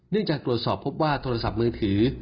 เนื่องจากกลวดสอบพบว่าโทรศัพท์มือถือ